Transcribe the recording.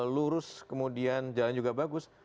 lurus kemudian jalan juga bagus